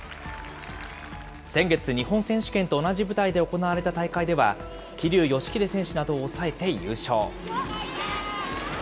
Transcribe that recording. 先月、日本選手権と同じ舞台で行われた大会では、桐生祥秀選手などを抑えて優勝。